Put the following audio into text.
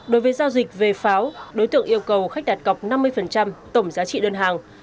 đối với giao dịch về pháo đối tượng yêu cầu khách đạt cọc năm mươi tổng giá trị đơn hàng